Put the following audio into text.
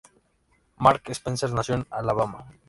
Mark Spencer nació en Alabama.